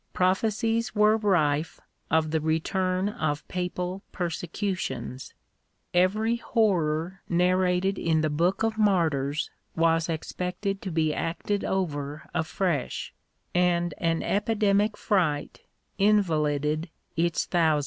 Prophecies were rife of the return of papal persecutions ; every horror narrated in the Book of Martyrs was expected to be acted over afresh; and an epidemic fright invalided its thousands.